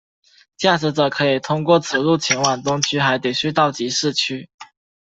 驾驶者可以通过此路前往东区海底隧道及市区。